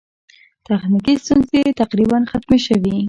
تخنیکي ستونزې تقریباً ختمې شوې.